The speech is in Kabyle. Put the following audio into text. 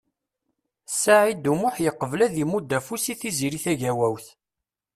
Saɛid U Muḥ yeqbel ad imudd afus i Tiziri Tagawawt.